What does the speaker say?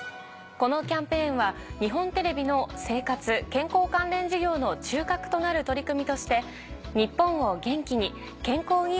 このキャンペーンは日本テレビの生活健康関連事業の中核となる取り組みとして。